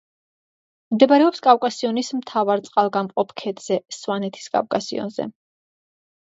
მდებარეობს კავკასიონის მთავარ წყალგამყოფ ქედზე, სვანეთის კავკასიონზე.